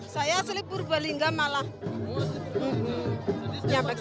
saya asli purbalingga malah nyampe ke sini